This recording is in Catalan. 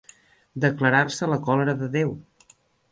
Declarar-se la còlera de Déu.